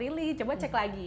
jadi coba cek lagi